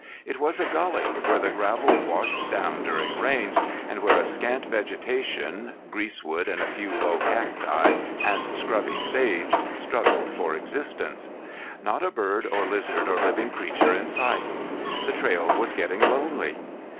It was a gully where the gravel washed down during rains, and where a scant vegetation, greasewood, and few low cacti and scrubby sage struggled for existence. Not a bird or lizard or living creature in sight! The trail was getting lonely.